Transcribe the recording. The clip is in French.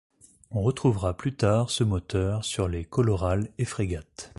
On retrouvera plus tard ce moteur sur les Colorale et Frégate.